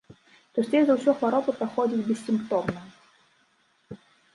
Часцей за ўсё хвароба праходзіць бессімптомна.